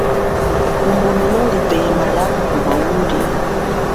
Kumbululo lipema lia kuhuma uli.